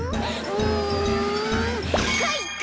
うんかいか！